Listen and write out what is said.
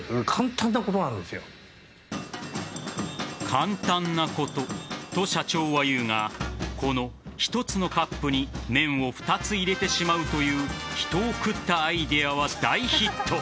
簡単なこと社長は言うがこの１つのカップに麺を２つ入れてしまうという人を食ったアイデアは大ヒット。